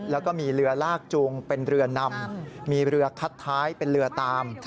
แล้วก็มีเรือลากจูงเป็นเรือนำมีเรือคัดท้ายเป็นเรือตาม